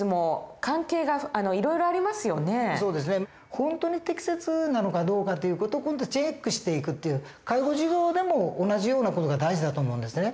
本当に適切なのかどうかっていう事をチェックしていくっていう介護事業でも同じような事が大事だと思うんですね。